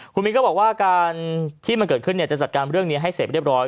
คุณมิ้นก็บอกว่าการที่มันเกิดขึ้นจะจัดการเรื่องนี้ให้เสร็จเรียบร้อย